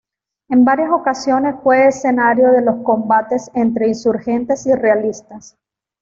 En varias ocasiones fue escenario de los combates entre insurgentes y realistas.